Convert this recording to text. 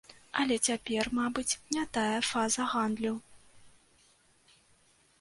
Але цяпер, мабыць, не тая фаза гандлю.